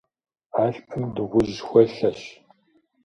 Алъпым дыгъужь хуэлъэщ.